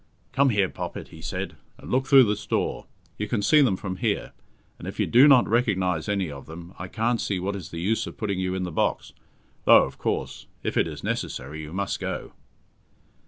"Come here, Poppet," he said, "and look through this door. You can see them from here, and if you do not recognize any of them, I can't see what is the use of putting you in the box; though, of course, if it is necessary, you must go."